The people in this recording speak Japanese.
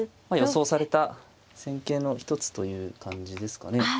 まあ予想された戦型の一つという感じですかね。